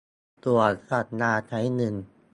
ตั๋วสัญญาใช้เงิน